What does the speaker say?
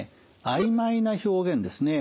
あいまいな表現ですね